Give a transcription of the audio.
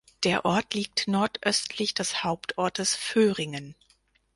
Der Ort liegt nordöstlich des Hauptortes Vöhringen.